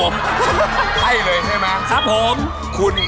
เงิน